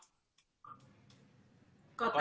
kota apa yang seneng ngelawak